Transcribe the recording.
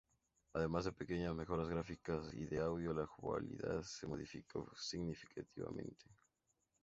Además de pequeñas mejoras gráficas y de audio, la jugabilidad se modificó significativamente.